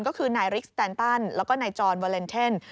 ก็คือนายริกสแตนตันแล้วก็นายจรวาเลนเทน